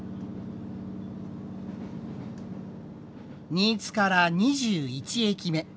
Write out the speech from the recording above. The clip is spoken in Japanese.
新津から２１駅目。